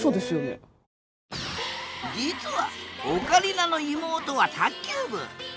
実はオカリナの妹は卓球部。